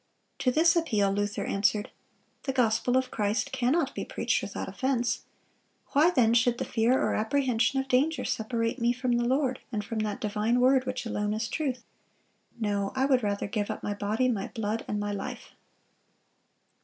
To this appeal Luther answered: "The gospel of Christ cannot be preached without offense.... Why then should the fear or apprehension of danger separate me from the Lord, and from that divine word which alone is truth? No; I would rather give up my body, my blood, and my life."